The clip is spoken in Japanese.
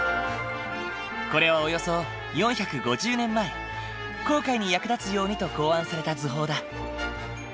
これはおよそ４５０年前航海に役立つようにと考案された図法だ。